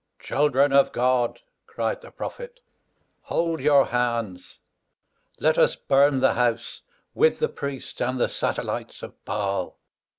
"Children of God," cried the prophet, "hold your hands. Let us burn the house, with the priest and the satellites of Baal."